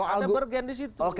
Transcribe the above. ada bergen di situ